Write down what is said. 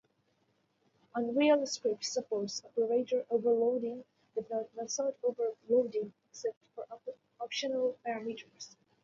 UnrealScript supports operator overloading, but not method overloading, except for optional parameters.